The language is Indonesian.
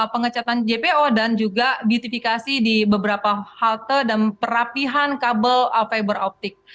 pengecatan jpo dan juga beautifikasi di beberapa halte dan perapihan kabel fiber optik